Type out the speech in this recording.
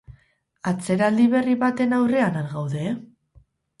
Atzeraldi berri baten aurrean al gaude?